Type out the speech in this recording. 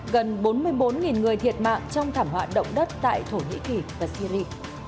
gần bốn mươi bốn người thiệt mạng trong thảm họa động đất tại thổ nhĩ kỳ và syri